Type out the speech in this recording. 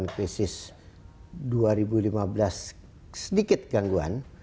dua ribu delapan krisis dua ribu lima belas sedikit gangguan